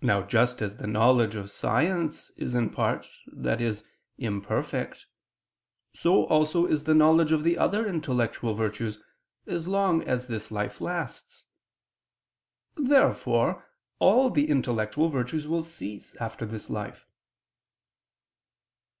Now just as the knowledge of science is in part, i.e. imperfect; so also is the knowledge of the other intellectual virtues, as long as this life lasts. Therefore all the intellectual virtues will cease after this life.